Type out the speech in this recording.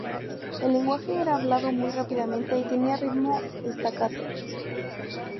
El lenguaje era hablado muy rápidamente y tenía ritmo staccato.